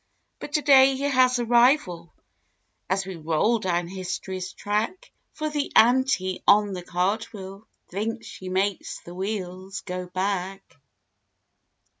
But today he has a Rival As we roll down History's Track For the "Anti" on the Cartwheel Thinks she makes the Wheels go back!